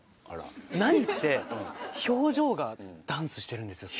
何って表情がダンスしてるんですよ。